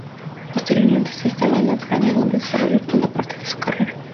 Posteriormente, se instaló en Ucrania, donde desarrolló buena parte de su carrera.